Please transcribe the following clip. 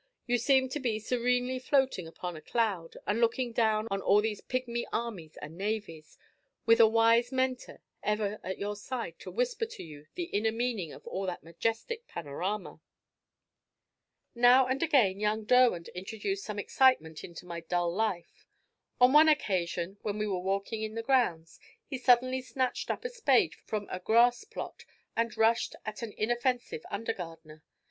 You seem to be serenely floating upon a cloud, and looking down on all these pigmy armies and navies, with a wise Mentor ever at your side to whisper to you the inner meaning of all that majestic panorama. Now and again young Derwent introduced some excitement into my dull life. On one occasion when we were walking in the grounds, he suddenly snatched up a spade from a grass plot, and rushed at an inoffensive under gardener.